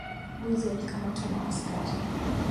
Mwizi alikamatwa na askari.